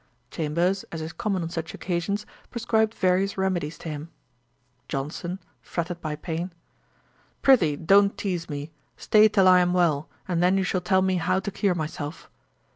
Chambers, as is common on such occasions, prescribed various remedies to him. JOHNSON. (fretted by pain,) 'Pr'ythee don't tease me. Stay till I am well, and then you shall tell me how to cure myself.'